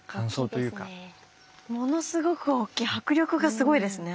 ものすごく大きい迫力がすごいですね。